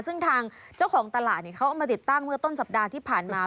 ซึ่งทางเจ้าของตลาดเขาเอามาติดตั้งเมื่อต้นสัปดาห์ที่ผ่านมา